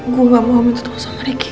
gue gak mau minta teman sama ricky